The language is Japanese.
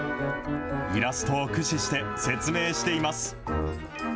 イラストを駆使して説明しています。